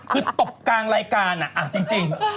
คือตบกลางรายการจริง